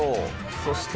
そして。